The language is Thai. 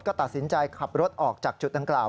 ก็ตัดสินใจขับรถออกจากจุดดังกล่าว